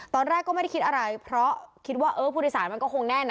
ตอนแรกก็ไม่ได้คิดอะไรเพราะคิดว่าเออผู้โดยสารมันก็คงแน่น